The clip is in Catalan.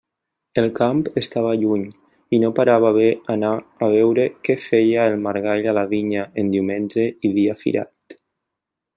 El camp estava lluny i no parava bé anar a veure què feia el margall a la vinya en diumenge i dia firat.